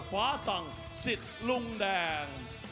ฟ้าสั่งสิทธิ์ลุงแดง